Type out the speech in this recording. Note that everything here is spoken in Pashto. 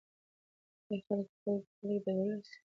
آیا خلک خپل برخلیک بدلولی سي؟